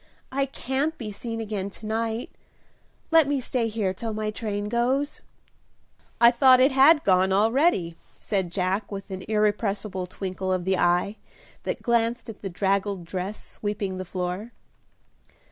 "I can't be seen again to night; let me stay here till my train goes." "I thought it had gone, already," said Jack, with an irrepressible twinkle of the eye that glanced at the draggled dress sweeping the floor.